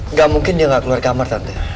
nggak mungkin dia nggak keluar kamar nanti